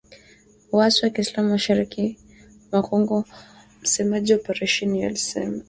waasi wa kiislamu mashariki mwa Kongo msemaji wa operesheni hiyo alisema